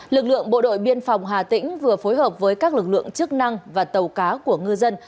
lực lượng bộ đội biên phòng hà tĩnh vừa phối hợp với các lực lượng chức năng và tàu cá của ngư dân